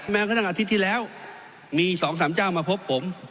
แม้กระทั่งอาทิตย์ที่แล้วมี๒๓เจ้ามาพบผม